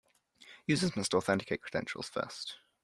Users must authenticate credentials first.